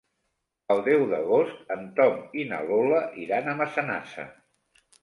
El deu d'agost en Tom i na Lola iran a Massanassa.